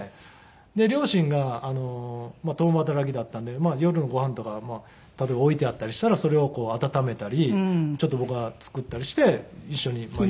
で両親が共働きだったんで夜のご飯とか例えば置いてあったりしたらそれを温めたりちょっと僕が作ったりして一緒に妹とかも。